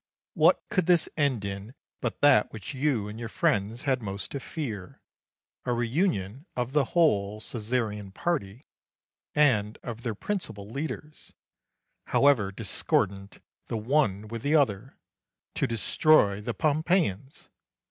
What could this end in but that which you and your friends had most to fear, a reunion of the whole Caesarean party and of their principal leaders, however discordant the one with the other, to destroy the Pompeians?